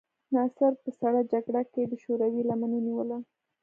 ناصر په سړه جګړه کې د شوروي لمن ونیوله.